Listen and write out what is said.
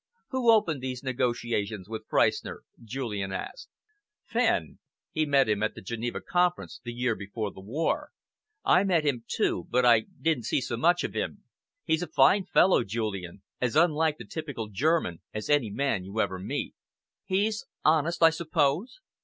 "Who opened these negotiations with Freistner?" Julian asked. "Fenn. He met him at the Geneva Conference, the year before the war. I met him, too, but I didn't see so much of him. He's a fine fellow, Julian as unlike the typical German as any man you ever met." "He's honest, I suppose?"